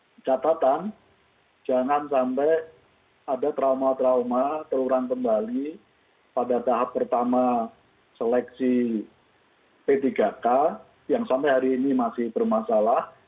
dengan catatan jangan sampai ada trauma trauma terulang kembali pada tahap pertama seleksi p tiga k yang sampai hari ini masih bermasalah